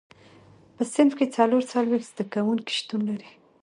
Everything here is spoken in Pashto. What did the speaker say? په صنف کې څلور څلوېښت زده کوونکي شتون لري.